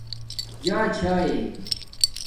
جݳچھایئئ